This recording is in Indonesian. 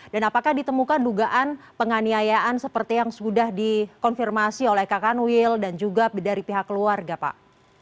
apakah ditemukan dugaan penganiayaan seperti yang sudah dikonfirmasi oleh kakan wil dan juga dari pihak keluarga pak